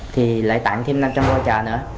thì lại tặng thêm năm trăm linh vô trợ nữa